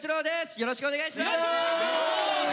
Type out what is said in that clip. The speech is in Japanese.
よろしくお願いします。